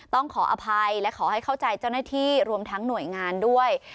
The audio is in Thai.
ขออภัยและขอให้เข้าใจเจ้าหน้าที่รวมทั้งหน่วยงานด้วย